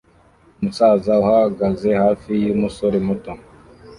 Umusaza uhagaze hafi yumusore muto